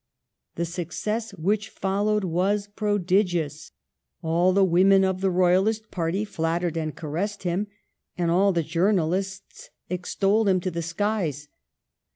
The success which followed was prodigious. All the women of the Royalist party flattered and caressed him, and all the jour nalists extolled him to the skies.